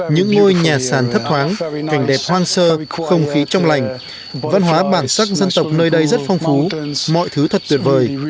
những ngôi nhà sàn thấp thoáng cảnh đẹp hoang sơ không khí trong lành văn hóa bản sắc dân tộc nơi đây rất phong phú mọi thứ thật tuyệt vời